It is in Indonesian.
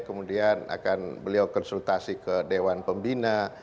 kemudian akan beliau konsultasi ke dewan pembina